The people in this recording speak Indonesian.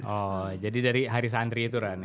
oh jadi dari hari santri itu rani